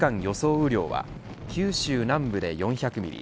雨量は九州南部で４００ミリ